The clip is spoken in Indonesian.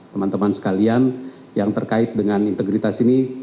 teman teman sekalian yang terkait dengan integritas ini